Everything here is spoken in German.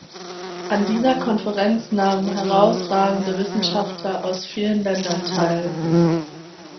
An dieser Konferenz nahmen herausragende Wissenschaftler aus vielen Ländern teil.